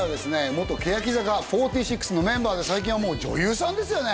元欅坂４６のメンバーで最近はもう女優さんですよね